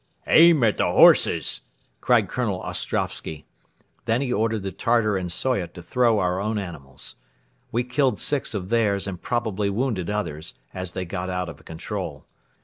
"Aim at the horses!" cried Colonel Ostrovsky. Then he ordered the Tartar and Soyot to throw our own animals. We killed six of theirs and probably wounded others, as they got out of control.